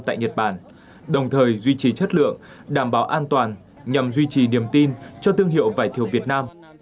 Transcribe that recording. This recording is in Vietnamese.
tại nhật bản đồng thời duy trì chất lượng đảm bảo an toàn nhằm duy trì niềm tin cho thương hiệu vải thiều việt nam